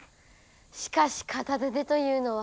しかし、片手でというのは。